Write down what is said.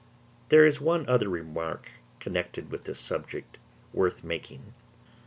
There is one other remark connected with this subject worth making.